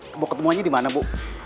mau ketemu aja dimana bu